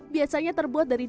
biasanya terbuat dari jasad